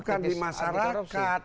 bukan di masyarakat